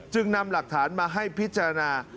นำหลักฐานมาให้พิจารณา